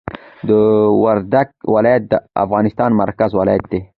وردګ ولایت د افغانستان مرکزي ولایت دي